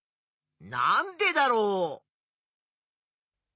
なんでだろう？